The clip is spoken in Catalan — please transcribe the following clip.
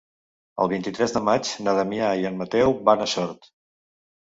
El vint-i-tres de maig na Damià i en Mateu van a Sort.